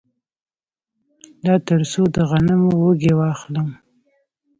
دا تر څو د غنمو وږي واخلم